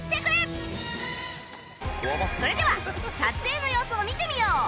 それでは撮影の様子を見てみよう！